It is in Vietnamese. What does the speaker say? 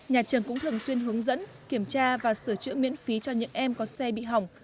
nhà trường cũng thường xuyên hướng dẫn kiểm tra và sửa chữa miễn phí cho những em có xe bị hỏng